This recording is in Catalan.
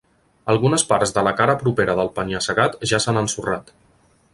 Algunes parts de la cara propera del penya-segat ja s'han ensorrat.